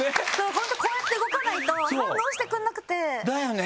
本当こうやって動かないと反応してくれなくて。だよね？